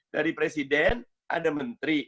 dari presiden ada menteri